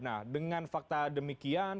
nah dengan fakta demikian